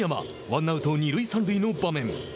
ワンアウト二塁三塁の場面。